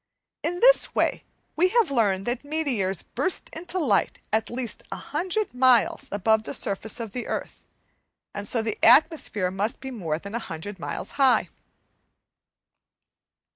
In this way we have learnt that meteors burst into light at least 100 miles above the surface of the earth, and so the atmosphere must be more than 100 miles high.